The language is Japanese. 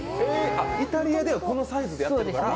イタリアではこのサイズでやってるんですね。